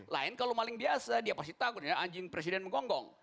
lain kalau maling biasa dia pasti takut ya anjing presiden menggonggong